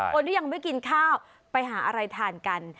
คนที่ยังไม่กินข้าวไปหาอะไรทานกัน